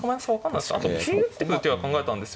あと桂打ってくる手は考えたんです。